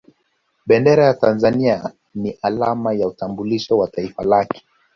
Bendera ya Tanzania ni alama ya utambulisho wa Taifa lake